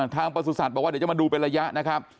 ประสุทธิ์บอกว่าเดี๋ยวจะมาดูเป็นระยะนะครับ